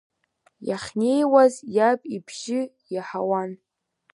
Иахьнеиуаз иаб ибжьы иаҳауан…